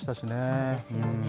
そうですよね。